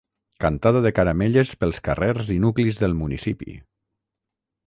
Cantada de caramelles pels carrers i nuclis del municipi.